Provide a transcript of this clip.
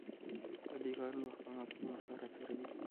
ددوی کارونه پخپل منځ کی په مشوره سره دی .